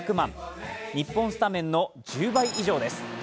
日本スタメンの１０倍以上です。